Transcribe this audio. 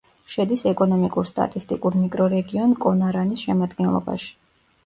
შედის ეკონომიკურ-სტატისტიკურ მიკრორეგიონ კონარანის შემადგენლობაში.